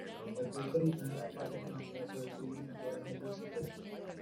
El proyecto original era parte -financiado por el William y Flora Hewlett Fundación.